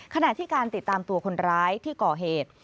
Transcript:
ขณะที่การติดตามตัวคนร้ายที่ก่อเหตุ